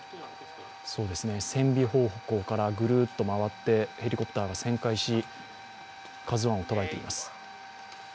船尾方向からぐるっと回ってヘリコプターが旋回し「ＫＡＺＵⅠ」を捉えています。